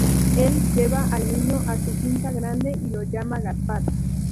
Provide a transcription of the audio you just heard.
Él lleva al niño a su finca grande y lo llama Gaspar.